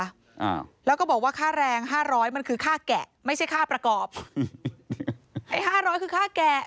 อ้าวแล้วก็บอกว่าค่าแรงห้าร้อยมันคือค่าแกะไม่ใช่ค่าประกอบไอ้ห้าร้อยคือค่าแกะ